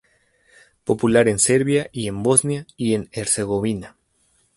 Popular en Serbia y en Bosnia y Herzegovina.